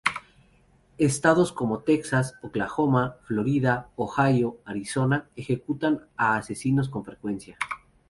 Estados como Texas, Oklahoma, Florida, Ohio y Arizona ejecutan a asesinos con frecuencia.